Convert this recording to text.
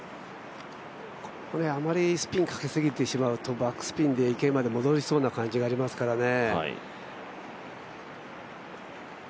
あまりスピンかけすぎてしまうと、バックスピンで池まで戻りそうな感じがありますからね。